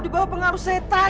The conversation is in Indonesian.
dibawah pengaruh setan